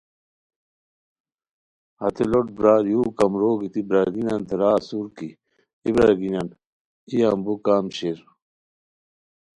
ہتے لوٹ برار یو کمرو گیتی برارگینیانتے را اسور کی اے برارگینیان ای یامبو کم شیر